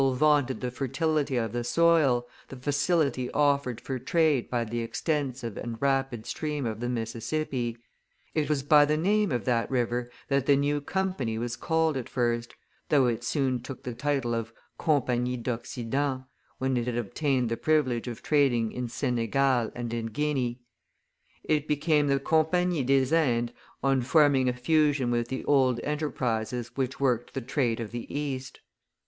People vaunted the fertility of the soil, the facility offered for trade by the extensive and rapid stream of the Mississippi; it was by the name of that river that the new company was called at first, though it soon took the title of Compagnie d' Occident, when it had obtained the privilege of trading in Senegal and in Guinea; it became the Compagnie des Indes, on forming a fusion with the old enterprises which worked the trade of the East.